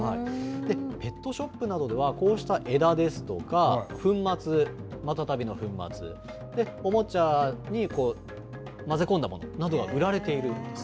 ペットショップなどでは、こうした枝ですとか、粉末、マタタビの粉末、おもちゃに混ぜ込んだものなどが売られているんです。